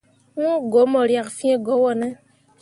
Wu go mu riak fii go wone.